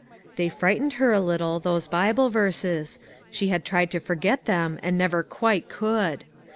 They frightened her a little, those Bible verses ; she had tried to forget them and never quite could.